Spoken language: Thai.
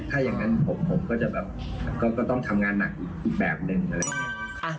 ถ้าอย่างนั้นผมก็จะแบบก็ต้องทำงานหนักอีกแบบนึงอะไรอย่างนี้